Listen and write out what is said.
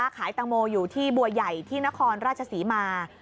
แตงโมอยู่ที่บัวใหญ่ที่นครราชศรีมา